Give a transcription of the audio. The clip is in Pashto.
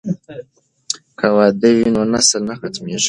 که واده وي نو نسل نه ختمیږي.